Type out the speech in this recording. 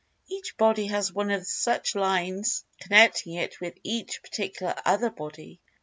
Each body has one of such lines connecting it with each particular "other body."